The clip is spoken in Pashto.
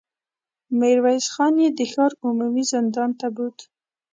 ميرويس خان يې د ښار عمومي زندان ته بوت.